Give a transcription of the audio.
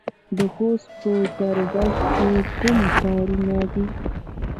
د خوست په ګربز کې کوم کانونه دي؟